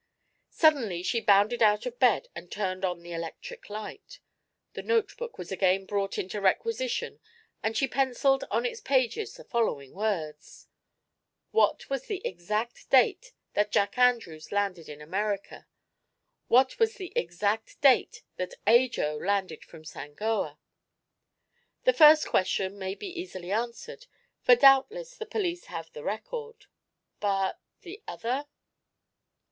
Suddenly she bounded out of bed and turned on the electric light. The notebook was again brought into requisition and she penciled on its pages the following words: "What was the exact date that Jack Andrews landed in America? What was the exact date that Ajo landed from Sangoa? The first question may be easily answered, for doubtless the police have the record. But the other?"